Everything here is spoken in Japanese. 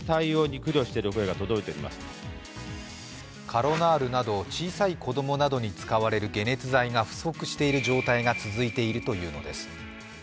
カロナールなど小さい子供に使われる解熱剤が不足している状態が続いているというのです。